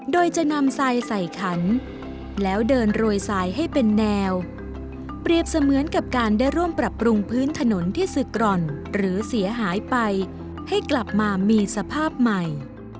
โดยจะนำทรายใส่ขันแล้วเดินโรยสายให้เป็นแนวเปรียบเสมือนกับการได้ร่วมปรับปรุงพื้นถนนที่ศึกกร่อนหรือเสียหายไปให้กลับมามีสภาพใหม่